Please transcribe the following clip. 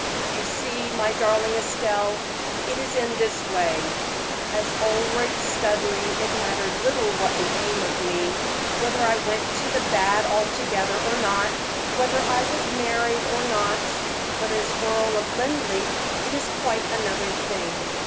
"You see, my darling Estelle, it is in this way: As Ulric Studleigh it mattered little what became of me whether I went to the bad altogether or not, whether I was married or not; but as Earl of Linleigh it is quite another thing.